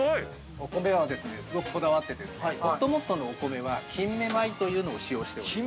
◆お米はですね、すごくこだわってですね、ほっともっとのお米は、金芽米というのを使用しております。